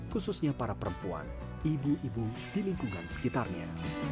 khususnya para perempuan ibu ibu di lingkungan sekitarnya